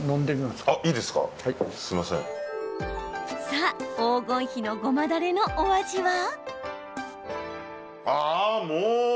さあ、黄金比のごまだれのお味は？